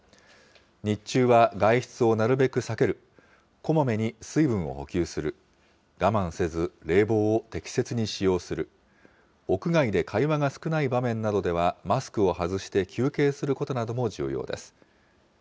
日中は外出をなるべく避ける、こまめに水分を補給する、我慢せず冷房を適切に使用する、屋外で会話が少ない場面などでは、マスクを外して休憩することなども重要です。